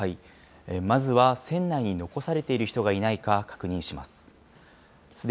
まずは船内に残されている人がいないか確認します。